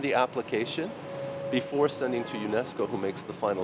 để phát triển kế hoạch này